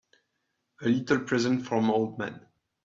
A little present from old man.